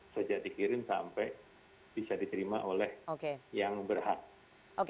sejahteririn sampai bisa diterima oleh yang berhak